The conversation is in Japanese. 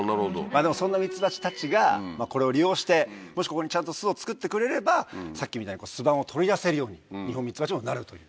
そんなミツバチたちがこれを利用してもしここにちゃんと巣を作ってくれればさっきみたいに巣板を取り出せるようにニホンミツバチもなるという。